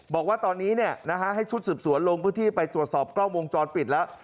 บอกว่าตอนนี้ให้ชุดสืบสวนลงพื้นที่ไปตรวจสอบกล้องวงจรปิดแล้ว